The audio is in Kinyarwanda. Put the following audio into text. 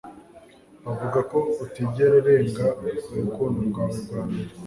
Bavuga ko utigera urenga urukundo rwawe rwa mbere